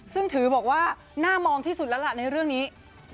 ซึ่งถือบอกว่าน่ามองที่สุดแล้วล่ะในเรื่องนี้